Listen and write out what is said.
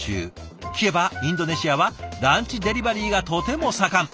聞けばインドネシアはランチデリバリーがとても盛ん。